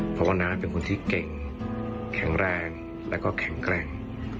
เพราะว่าน้าเป็นคนที่เก่งแข็งแรงแล้วก็แข็งแกร่ง